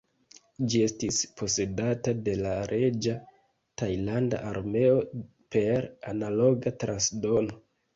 Ĝi estis posedata de la Reĝa Tajlanda Armeo per Analoga transdono.